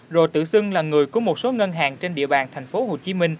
rồi tự xưng là người của một số ngân hàng trên địa bàn tp hcm